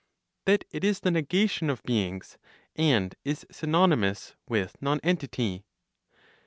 That it is the negation of beings, and is synonymous with nonentity?